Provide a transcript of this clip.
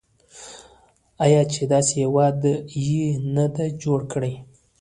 آیا چې داسې هیواد یې نه دی جوړ کړی؟